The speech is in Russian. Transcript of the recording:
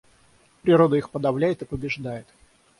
Природа их подавляет и побеждает.